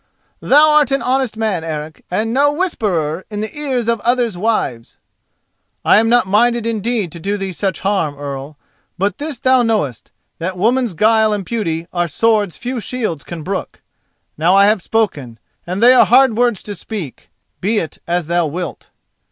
Thou art an honest man, Eric, and no whisperer in the ears of others' wives." "I am not minded indeed to do thee such harm, Earl, but this thou knowest: that woman's guile and beauty are swords few shields can brook. Now I have spoken—and they are hard words to speak—be it as thou wilt."